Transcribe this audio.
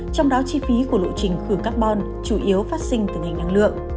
trong đó chi phí của lộ trình khử carbon chủ yếu phát sinh từ ngành năng lượng